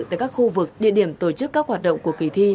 tại các khu vực địa điểm tổ chức các hoạt động của kỳ thi